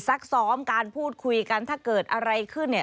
ซักซ้อมการพูดคุยกันถ้าเกิดอะไรขึ้นเนี่ย